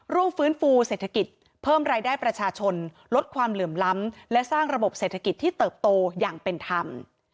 ร่วมฟื้นฟูเศรษฐกิจเพิ่มรายได้ประชาชนลดความเหลื่อมล้ำและสร้างระบบเศรษฐกิจที่เติบโตอย่างเป็นธรรม